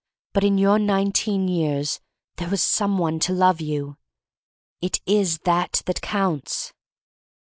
But in your nineteen years there was some one to love you. It is that that counts.